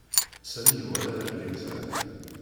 Sami iwala argaz-a.